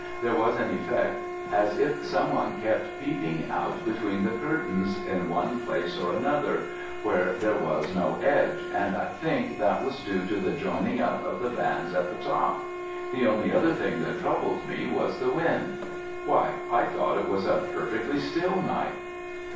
There was an effect as if some one kept peeping out between the curtains in one place or another, where there was no edge, and I think that was due to the joining up of the bands at the top. The only other thing that troubled me was the wind." "Why, I thought it was a perfectly still night."